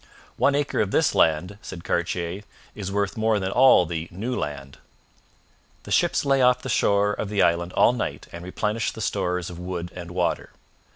'One acre of this land,' said Cartier, 'is worth more than all the New Land.' The ships lay off the shore of the island all night and replenished the stores of wood and water.